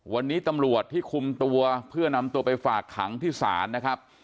วันนี้ตำรวจที่คุมตัวเพื่อนำตัวไปฝากขังที่ศาลนะครับ